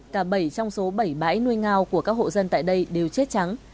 cả bảy trong số bảy bãi nuôi ngao của các hộ dân tại đây đều chết trắng